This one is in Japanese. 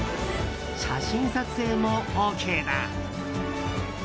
写真撮影もＯＫだ。